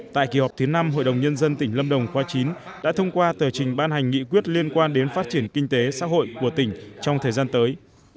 tại kỳ họp thứ năm hội đồng nhân dân tp hcm đã thông qua tờ trình ban hành nghị quyết liên quan đến phát triển kinh tế xã hội của tỉnh trong thời gian tới